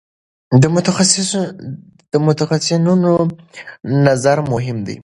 د متخصصینو نظر مهم دی.